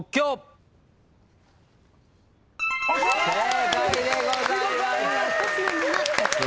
正解でございます。